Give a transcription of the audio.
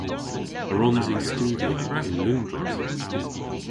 A wrons i studhya yn Loundres?